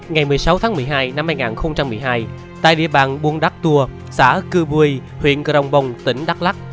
ngày một mươi sáu tháng một mươi hai năm hai nghìn một mươi hai tại địa bàn buôn đắc tùa xã cư bùi huyện crong bong tỉnh đắk lắc